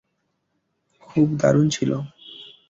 খুব দারুন ছিল।